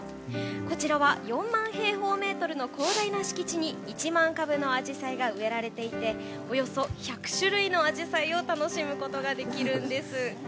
こちらは４万平方メートルの広大な敷地に１万株のアジサイが植えられていておよそ１００種類のアジサイを楽しむことができるんです。